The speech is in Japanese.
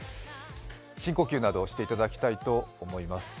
深呼吸などをしていただきたいと思います。